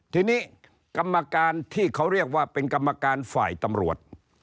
ทีนี้กรรมการที่เขาเรียกว่าเป็นกรรมการฝ่ายตำรวจ